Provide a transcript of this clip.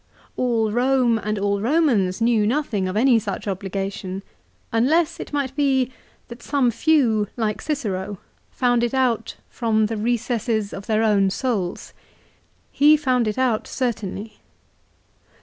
All Eome and all Eomans knew nothing of any such obligation, unless it might be that some few like Cicero, found it out from the recesses of their own souls. He found it out certainly.